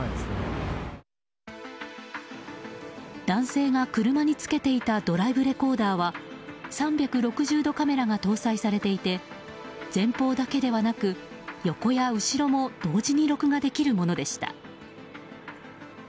男性が車につけていたドライブレコーダーは３６０度カメラが搭載されていて前方だけではなく横や後ろも同時に録画できるものでした。